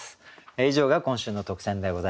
以上が今週の特選でございました。